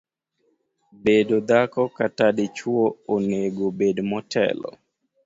bedo dhako kata dichuo onego bed motelo